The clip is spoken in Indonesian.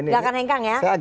gak akan hengkang ya